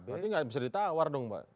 berarti nggak bisa ditawar dong pak